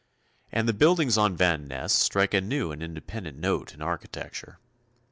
And the buildings on Van Ness strike a new and independent note in architecture.